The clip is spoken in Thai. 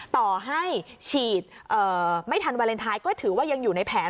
ต่อให้ฉีดไม่ทันวาเลนไทยก็ถือว่ายังอยู่ในแผน